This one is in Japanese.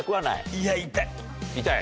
いや痛い。